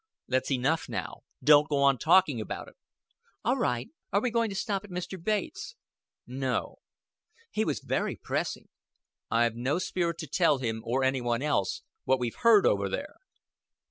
"That's enough now. Don't go on talking about it." "All right. Are you going to stop at Mr. Bates'?" "No." "He was very pressing." "I've no spirit to tell him or any one else what we've heard over there."